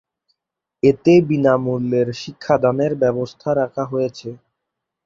এতে বিনামূল্যের শিক্ষাদানের ব্যবস্থা রাখা হয়েছে।